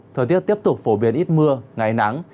thời tiết tiếp tục phổ biến ít mưa ngày nắng